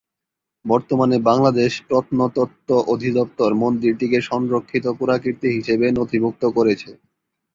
বর্তমানে বাংলাদেশ প্রত্নতত্ত্ব অধিদপ্তর মন্দিরটিকে সংরক্ষিত পুরাকীর্তি হিসেবে নথিভূক্ত করেছে।